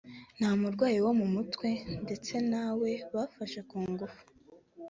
nta murwayi wo mu mutwe ndetse ntawe bafashe ku ngufu